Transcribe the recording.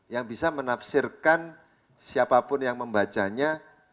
yang bisa menafsirkan siapapun yang membacanya